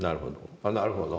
なるほど。